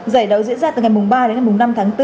giải đấu diễn ra từ ngày ba đến ngày năm tháng bốn